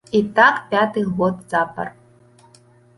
І так пяты год запар.